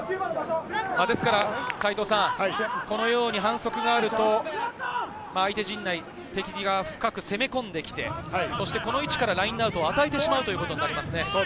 ですから、このように反則があると相手陣内、敵側深く攻め込んできて、この位置からラインアウトを与えてしまうということになりますね。